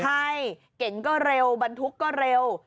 ใช่เก๋งก็เร็วบรรทุกก็เร็ว